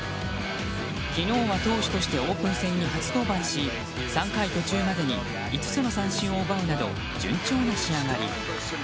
昨日は投手としてオープン戦に初登板し３回途中までに５つの三振を奪うなど、順調な仕上がり。